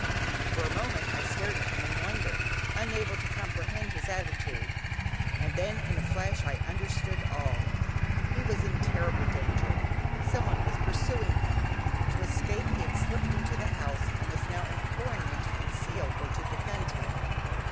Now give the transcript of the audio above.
For a moment I stared at him in wonder, unable to comprehend his attitude; and then in a flash I understood all. He was in terrible danger, someone was pursuing him; to escape he had slipped into the house, and was now imploring me to conceal or to defend him.